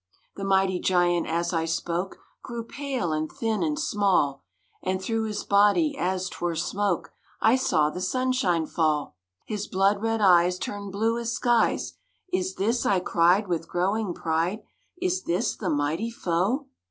The mighty Giant, as I spoke, Grew pale, and thin, and small, And through his body, as 'twere smoke, I saw the sunshine fall. His blood red eyes turned blue as skies: "Is this," I cried, with growing pride, "Is this the mighty foe?"